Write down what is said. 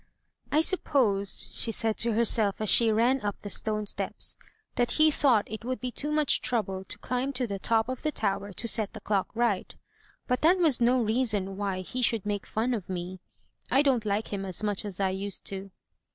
*'I suppose," she said to herself as she ran up the stone steps, that he thought it would be too much trouble to climb to the top of the tower to set the clock right. But that was no reason why he should make fun of me. I don't like him as much as I used to."